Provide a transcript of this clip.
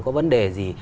có vấn đề gì